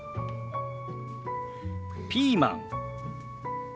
ピーマン。